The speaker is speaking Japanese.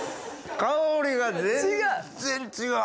香りが全然違う。